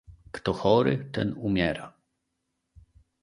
"Kto chory, ten umiera."